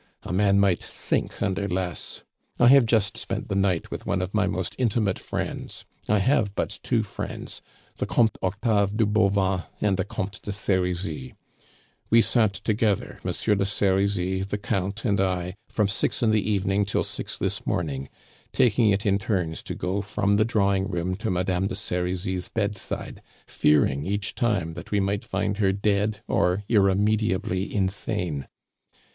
A man might sink under less! I have just spent the night with one of my most intimate friends. I have but two friends, the Comte Octave de Bauvan and the Comte de Serizy. We sat together, Monsieur de Serizy, the Count, and I, from six in the evening till six this morning, taking it in turns to go from the drawing room to Madame de Serizy's bedside, fearing each time that we might find her dead or irremediably insane.